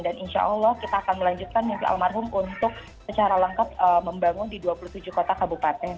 dan insya allah kita akan melanjutkan dengan almarhum untuk secara lengkap membangun di dua puluh tujuh kota kabupaten